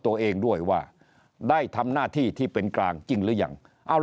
ตัวเองด้วยว่าได้ทำหน้าที่ที่เป็นกลางจริงหรือยังเอา